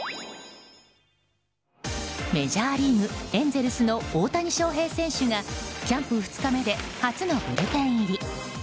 メジャーリーグエンゼルスの大谷翔平選手がキャンプ２日目で初のブルペン入り。